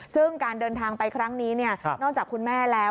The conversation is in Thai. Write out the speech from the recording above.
ซึ่งการเดินทางไปครั้งนี้นอกจากคุณแม่แล้ว